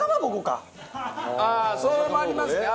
ああそれもありますね。